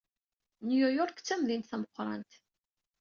New York d tamdint tameqrant.